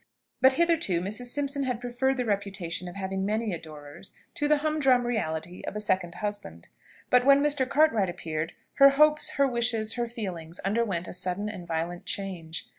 But hitherto Mrs. Simpson had preferred the reputation of having many adorers, to the humdrum reality of a second husband. But when Mr. Cartwright appeared, her hopes, her wishes, her feelings underwent a sudden and violent change.